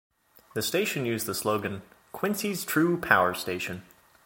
The station used the slogan "Quincy's True Power Station".